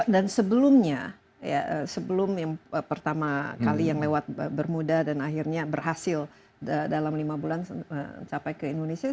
dan sebelumnya sebelum yang pertama kali yang lewat bermuda dan akhirnya berhasil dalam lima bulan sampai ke indonesia